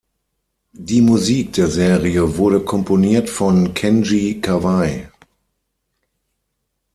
Die Musik der Serie wurde komponiert von Kenji Kawai.